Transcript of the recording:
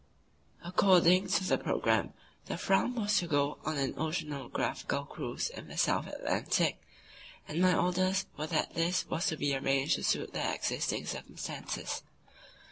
According to the programme, the Fram was to go on an oceanographical cruise in the South Atlantic, and my orders were that this was to be arranged to suit the existing circumstances.